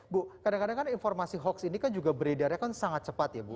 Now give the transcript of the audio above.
bu kadang kadang kan informasi hoax ini kan juga beredarnya kan sangat cepat ya bu